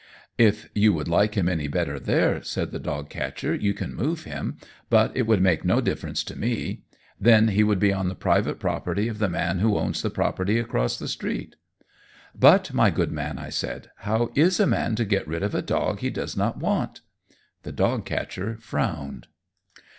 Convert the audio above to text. "If you would like him any better there," said the dog catcher, "you can move him, but it would make no difference to me. Then he would be on the private property of the man who owns the property across the street." "But, my good man," I said, "how is a man to get rid of a dog he does not want?" The dog catcher frowned.